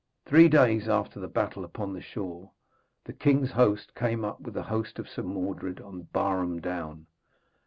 Three days after the battle upon the shore, the king's host came up with the host of Sir Mordred on Barham down.